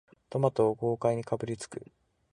トマトを豪快にかぶりつく